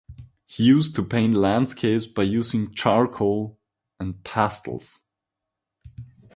He used to paint landscapes by using charcoal and pastels.